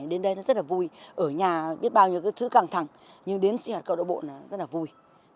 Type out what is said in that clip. đến đây nó rất là vui ở nhà biết bao nhiêu thứ càng thẳng nhưng đến sinh hoạt câu lạc bộ là rất là vui